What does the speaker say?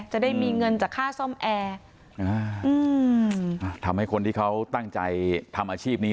จะได้มีเงินจากค่าซ่อมแอร์ทำให้คนที่เขาตั้งใจทำอาชีพนี้